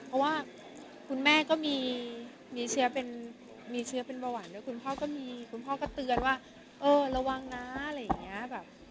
เพราะว่าคุณแม่ก็มีเชื้อเป็นมีเชื้อเป็นเบาหวานด้วยคุณพ่อก็มีคุณพ่อก็เตือนว่าเออระวังนะอะไรอย่างนี้แบบ